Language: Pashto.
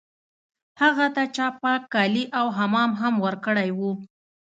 هغه ته چا پاک کالي او حمام هم ورکړی و